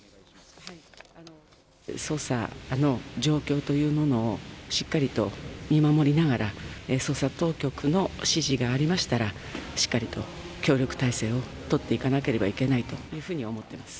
捜査の状況というものをしっかりと見守りながら捜査当局の指示がありましたら、しっかりと協力体制を取っていかなければいけないというふうに思っています。